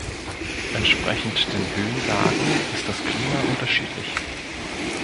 Entsprechend den Höhenlagen ist das Klima unterschiedlich.